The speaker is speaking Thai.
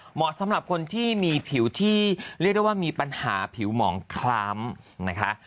เหมาะสำหรับคนที่มีผิวที่เรียกได้ว่ามีปัญหาผิวหมองคล้ำนะคะ